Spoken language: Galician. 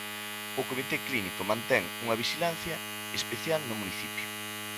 O comité clínico mantén unha vixilancia especial no municipio.